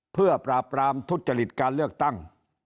เพื่อปราบรามทุจริตการเลือกตั้ง